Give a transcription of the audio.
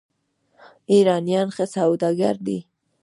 ایرانیان ښه سوداګر دي.